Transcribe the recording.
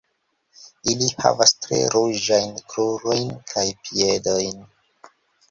Ili havas tre ruĝajn krurojn kaj piedojn.